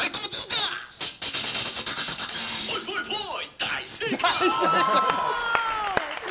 大正解！